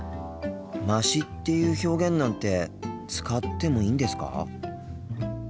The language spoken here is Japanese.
「まし」っていう表現なんて使ってもいいんですか？